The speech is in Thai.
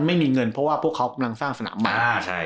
ไม่มีเงินเพราะว่าพวกเขากำลังสร้างสนามมา